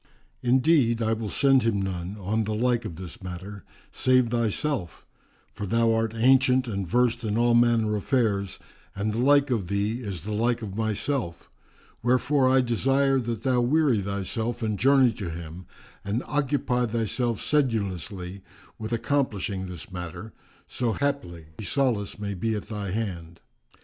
Indeed, I will send him none, on the like of this matter, save thyself; for thou art ancient and versed in all manner affairs and the like of thee is the like of myself; wherefore I desire that thou weary thyself and journey to him and occupy thyself sedulously with accomplishing this matter, so haply solace may be at thy hand."